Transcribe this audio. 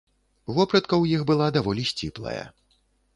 Вопратка ў іх была даволі сціплая.